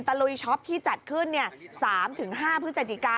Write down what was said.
ตะลุยช็อปที่จัดขึ้นเนี้ยสามถึงห้าพฤษจิกา